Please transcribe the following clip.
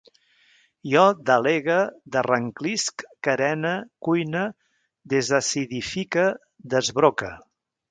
Jo delegue, derrenclisc, carene, cuine, desacidifique, desbroque